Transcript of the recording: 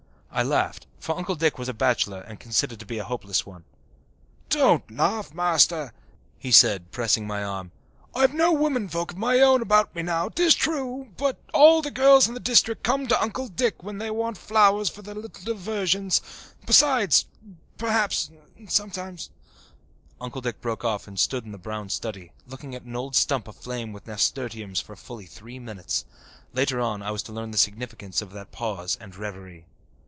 I laughed, for Uncle Dick was a bachelor and considered to be a hopeless one. "Don't laugh, Master," he said, pressing my arm. "I've no woman folk of my own about me now, 'tis true. But all the girls in the district come to Uncle Dick when they want flowers for their little diversions. Besides perhaps sometimes " Uncle Dick broke off and stood in a brown study, looking at an old stump aflame with nasturtiums for fully three minutes. Later on I was to learn the significance of that pause and reverie.